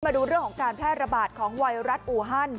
มาดูเรื่องของการแพร่ระบาดของไวรัสอูฮัน